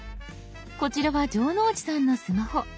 こちらは城之内さんのスマホ。